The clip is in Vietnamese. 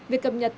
vì cập nhật